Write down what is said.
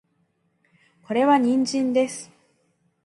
これは人参です